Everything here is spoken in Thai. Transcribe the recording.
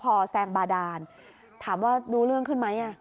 พอหลังจากเกิดเหตุแล้วเจ้าหน้าที่ต้องไปพยายามเกลี้ยกล่อม